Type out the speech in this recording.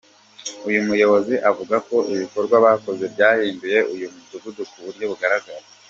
Uyu Muyobozi avuga ko ibikorwa bakoze byahinduye uyu mudugudu ku buryo bugaraga.